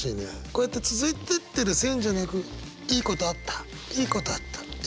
こうやって続いてってる線じゃなくいいことあったいいことあったいいことあった。